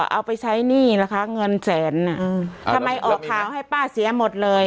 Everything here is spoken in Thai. เอาไปใช้หนี้ล่ะคะเงินแสนทำไมออกข่าวให้ป้าเสียหมดเลย